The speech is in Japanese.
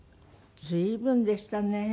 随分でしたね。